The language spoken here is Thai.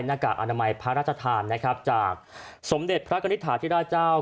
หน้ากากอาณามัยพระราชธานโคนจากสมเด็จพระกัณฑาทริดาเจ้าที่